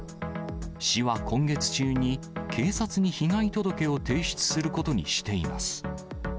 市は今月中に、警察に被害届を提出することにしています。